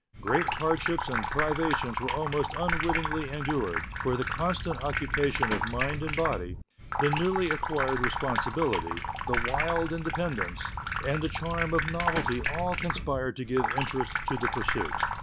Great hardships and privations were almost unwittingly endured, for the constant occupation of mind and body, the newly acquired responsibility, the wild inde pendence, and the charm of novelty all conspired to give interest to the pursuit.